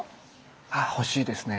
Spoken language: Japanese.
あ惜しいですね。